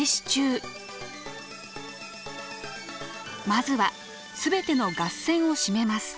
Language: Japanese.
まずは全てのガス栓を閉めます。